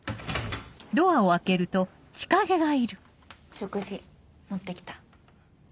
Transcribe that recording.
食事持って来た。